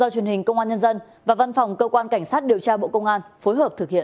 do truyền hình công an nhân dân và văn phòng cơ quan cảnh sát điều tra bộ công an phối hợp thực hiện